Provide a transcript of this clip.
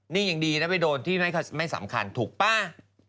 นี่ยังดีนะไปโดนที่ไม่สำคัญถูกป่ะ